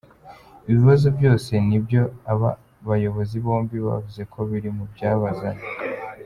Ibi bibazo byose ni byo aba bayobozi bombi bavuzeko biri mu byabazanye.